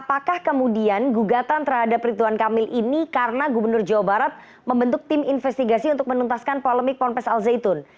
apakah kemudian gugatan terhadap rituan kamil ini karena gubernur jawa barat membentuk tim investigasi untuk menuntaskan polemik ponpes al zaitun